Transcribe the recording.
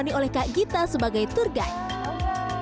dia akan membuat kita sebagai tour guide